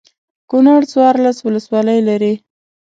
کنړ څوارلس ولسوالۍ لري.